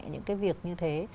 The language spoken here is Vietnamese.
những cái việc như thế